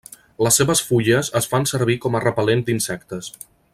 Les seves fulles es fan servir com a repel·lent d'insectes.